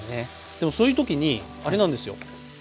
でもそういう時にあれなんですよ。